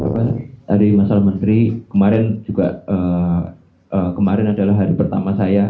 dari masalah menteri kemarin juga kemarin adalah hari pertama saya